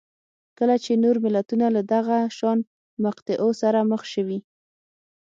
کله چې نور ملتونه له دغه شان مقطعو سره مخ شوي